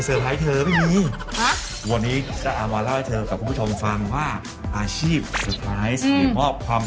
บอกว่าวันนี้เนี่ยมีเซอร์ไพรส์แน่นอนตามเข้าไปเลยครับ